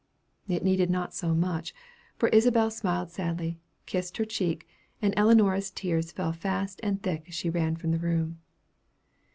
It needed not so much for Isabel smiled sadly, kissed her cheek, and Ellinora's tears fell fast and thick as she ran from the room.